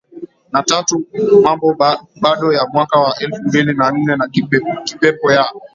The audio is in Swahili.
na tatu Mambo Bado ya mwaka wa elfu mbili na nne na Kipepo ya